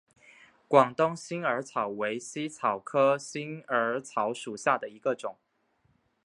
广东新耳草为茜草科新耳草属下的一个种。